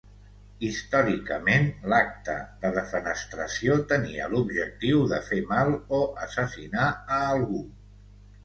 Històricament, l'acte de defenestració tenia l'objectiu de fer mal o assassinar a algú.